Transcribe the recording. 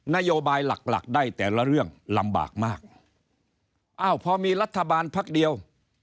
นโยบายหลักหลักได้แต่ละเรื่องลำบากมากอ้าวพอมีรัฐบาลพักเดียว